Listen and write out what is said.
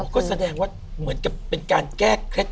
ก็แสดงว่าเหมือนกับเป็นการแก้เคล็ด